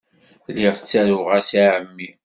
Lliɣ ttaruɣ-as i ɛemmi.